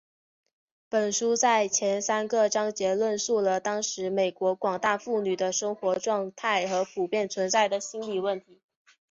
本书在前三个章节论述了当时美国广大妇女的生活状态和普遍存在的心理问题。